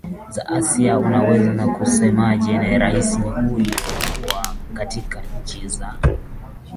za asia unaweza ukasemaje rais huyu kuwa katika nchi za